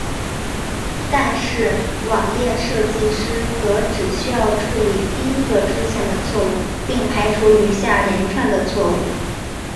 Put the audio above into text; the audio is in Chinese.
但是网页设计师则只需要处理第一个出现的错误并排除余下连串的错误。